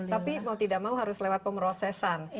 tapi mau tidak mau harus lewat pemrosesan